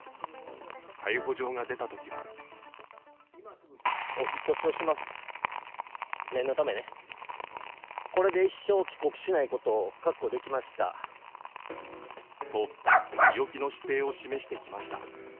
逮捕状が出たときはと強気の姿勢を示してきました。